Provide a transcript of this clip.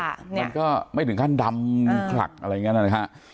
มันก็ไม่ถึงขั้นดำขลักอะไรอย่างนี้นะฮะ